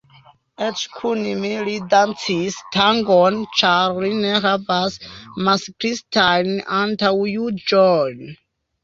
Eĉ kun mi li dancis tangon, ĉar li ne havas masklistajn antaŭjuĝojn.